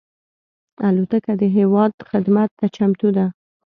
الوتکه د هېواد خدمت ته چمتو ده.